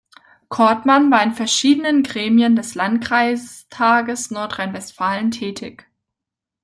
Kortmann war in verschiedenen Gremien des Landkreistages Nordrhein-Westfalen tätig.